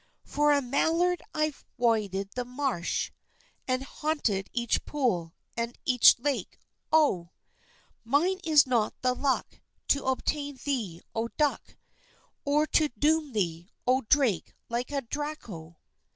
For a mallard I've waded the marsh, And haunted each pool, and each lake oh! Mine is not the luck, To obtain thee, O Duck, Or to doom thee, O Drake, like a Draco!